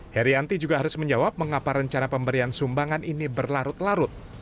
herianti juga harus menjawab mengapa rencana pemberian sumbangan ini berlarut larut